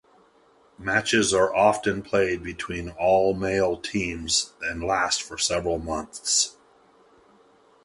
Matches are often played between all male teams and last for several months.